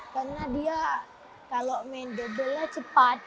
karena dia kalau main double nya cepat